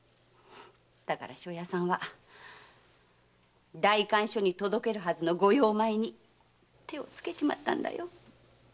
だから庄屋さんは代官所に届けるはずの御用米に手を付けちまったんだよ。